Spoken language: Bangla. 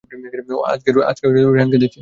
আজকে রেহানকে দেখছি না।